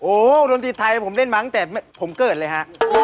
โอ้โหดนตรีไทยผมเล่นมาตั้งแต่ผมเกิดเลยฮะ